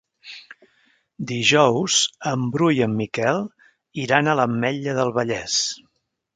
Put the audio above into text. Dijous en Bru i en Miquel iran a l'Ametlla del Vallès.